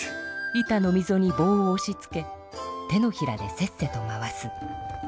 板のみぞにぼうをおしつけ手のひらでせっせと回す。